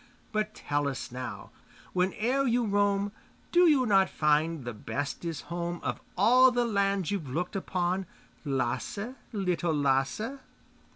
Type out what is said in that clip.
But tell us now, Whene'er you roam, Do you not find the best is home Of all the lands you've looked upon, Lasse, Little Lasse?